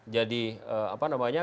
jadi apa namanya